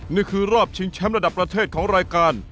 นี่คือรอบชิงแชมป์ระดับประเทศของรายการ